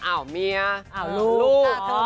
อ้าวเมียอ้าวลูก